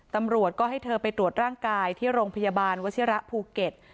ตำรวจก็ให้เธอไปตรวจร่างกายที่โรงพยาบาลวชิระภูเก็ต